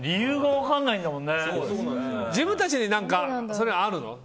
自分たちに何かあるの？